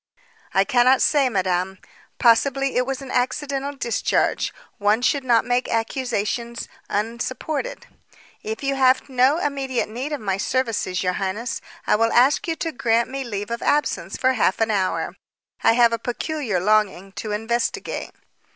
"I cannot say, madame. Possibly it was an accidental discharge. One should not make accusations unsupported. If you have no immediate need of my services, your highness, I will ask you to grant me leave of absence for half an hour. I have a peculiar longing to investigate."